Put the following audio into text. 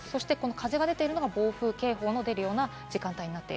風が出ているのが暴風警報の出るような時間帯です。